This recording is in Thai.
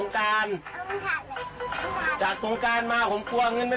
ถ้าว่าสงครานเนี่ยผมจะเอาเงินไป